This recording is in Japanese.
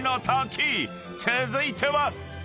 ［続いては］